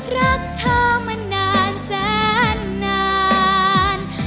รักเธอมานานแสนนาน